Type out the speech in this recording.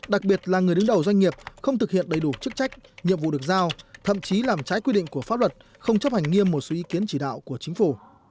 đặc biệt là người đứng đầu doanh nghiệp không thực hiện đầy đủ chức trách nhiệm vụ được giao thậm chí làm trái quy định của pháp luật không chấp hành nghiêm một số ý kiến chỉ đạo của chính phủ